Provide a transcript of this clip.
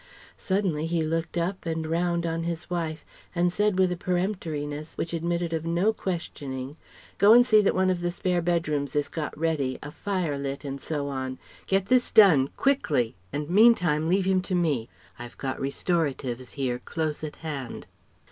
Suddenly he looked up and round on his wife, and said with a peremptoriness which admitted of no questioning: "Go and see that one of the spare bedrooms is got ready, a fire lit, and so on. Get this done quickly, and meantime leave him to me. I have got restoratives here close at hand."